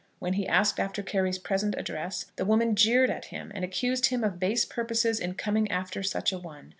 When he asked after Carry's present address the woman jeered at him, and accused him of base purposes in coming after such a one.